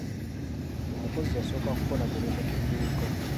Omukozi yasooka kukola mirimu ku dduuka.